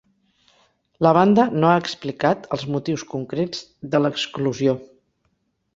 La banda no ha explicat els motius concrets de l'exclusió.